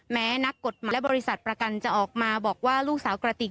แม้นักกฎหมายและบริษัทประกันจะออกมาบอกว่าลูกสาวกระติก